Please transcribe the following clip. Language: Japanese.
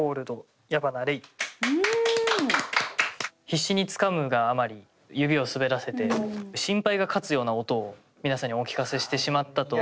必死につかむがあまり指を滑らせて心配が勝つような音を皆さんにお聞かせしてしまったと。